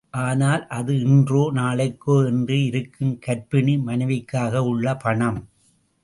ஆனால், அது இன்றோ... நாளைக்கோ என்று இருக்கும் கர்ப்பிணி மனைவிக்காக உள்ள பணம்.